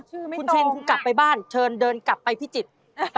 คุณเชนคุณกลับไปบ้านเชิญเดินกลับไปพิจิตร